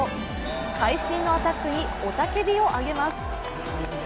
会心のアタックに雄たけびを上げます。